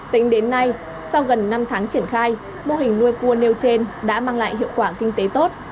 tính đến nay sau gần năm tháng triển khai mô hình nuôi cua nêu trên đã mang lại hiệu quả kinh tế tốt